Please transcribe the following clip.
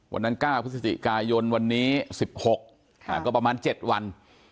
วันนั้น๙พฤศจิกายนวันนี้๑๖ก็ประมาณ๗วัน